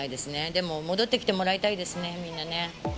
でも戻ってきてもらいたいですね、みんなね。